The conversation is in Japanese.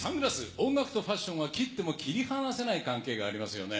音楽とファッションは切っても切り離せない関係がありますよね。